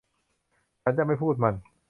ฉันจะไม่พูดมัน